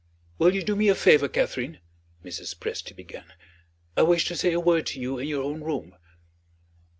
"Will you do me a favor, Catherine?" Mrs. Presty began. "I wish to say a word to you in your own room."